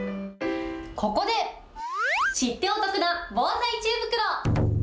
ここで、知ってお得な防災知恵袋。